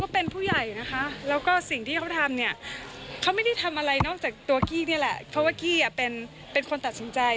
เพราะว่ากี้เป็นคนตัดสังใจ